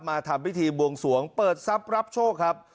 ทำพิธีบวงสวงเปิดทรัพย์รับโชคครับ